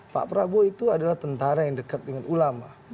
pak prabowo itu adalah tentara yang dekat dengan ulama